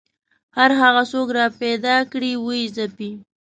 هر هغه څوک راپیدا کړي ویې ځپي